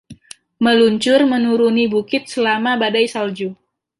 Meluncur menuruni bukit selama badai salju.